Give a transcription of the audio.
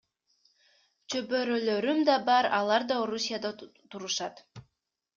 Чөбөрөлөрүм да бар, алар да Орусияда турушат.